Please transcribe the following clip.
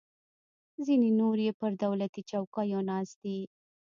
ځینې نور یې پر دولتي چوکیو ناست دي.